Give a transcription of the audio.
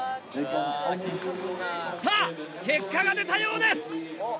さぁ結果が出たようです！